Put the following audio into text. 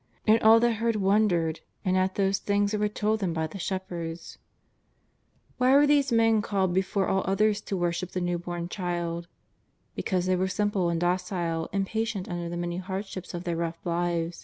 And all that heard wondered, and at those things that were told them by the shepherds."* Why were these men called before all others to wor ship the new born Child? Because they were simple and docile, and patient under the many hardships of their rough lives.